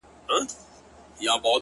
اوس لا د گرانښت څو ټكي پـاتــه دي”